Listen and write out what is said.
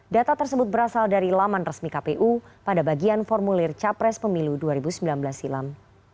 data tersebut berasal dari laman resmi kpu pada bagian formulir capres pemilu dua ribu sembilan belas silam